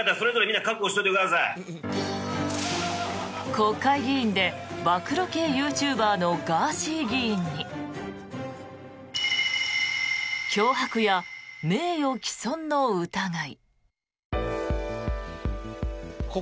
国会議員で暴露系ユーチューバーのガーシー議員に脅迫や名誉毀損の疑い。